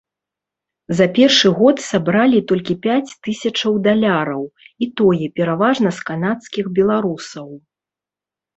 За першы год сабралі толькі пяць тысячаў даляраў, і тое пераважна з канадскіх беларусаў.